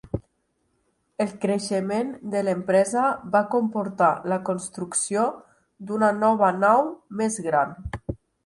El creixement de l'empresa va comportar la construcció d'una nova nau més gran.